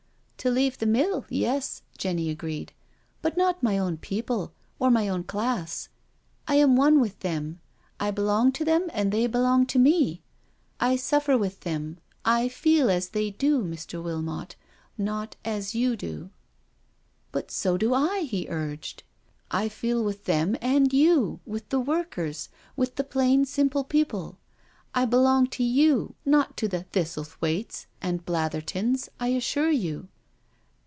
" To leave the mill, yes," Jenny agreed, " but not my own people or my own class. I am one with them — I belong to them and they belong to me. I suffer with them — I feel as they do, Mr. Wilmot, not as you do." " But so do I," he urged, " I feel with them and you—with the workers, with the plain simple people. I belong to you, not to the Thistlethwaites and Blather tons, I assure you."